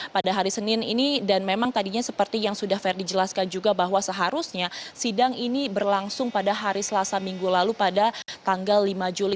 pada hari senin ini dan memang tadinya seperti yang sudah ferdi jelaskan juga bahwa seharusnya sidang ini berlangsung pada hari selasa minggu lalu pada tanggal lima juli